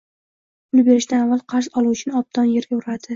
Pul berishdan avval qarz oluvchini obdon yerga uradi.